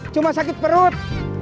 cuma sakit perut